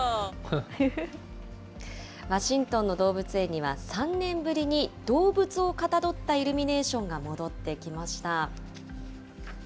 ワシントンの動物園には、３年ぶりに動物をかたどったイルミネーションが戻ってきました。